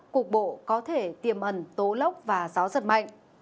cuộc bộ có thể tiềm ẩn tố lốc và gió rất mạnh